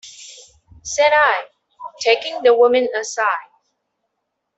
said I, taking the woman aside.